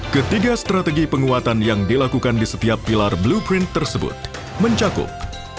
ketiga strategi penguatan yang dilakukan di setiap pilar blueprint tersebut mencakup